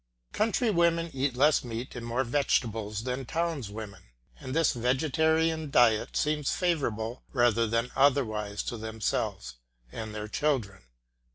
Country women eat less meat and more vegetables than towns women, and this vegetarian diet seems favourable rather than otherwise to themselves and their children.